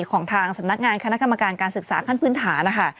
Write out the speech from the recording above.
ของทางสำนักงานคณะกรรมการการศึกษาขั้นพื้นฐานนะคะ